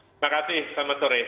terima kasih selamat sore